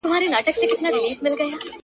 او منلي هوښیارانو د دنیا دي -